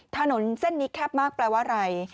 ถนนเส้นนี้แคบมากแปลว่าอะไร